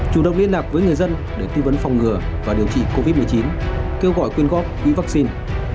chủ động liên lạc với người dân để tuy vấn phòng ngừa và điều trị covid một mươi chín kêu gọi quyên góp quỹ vắc xin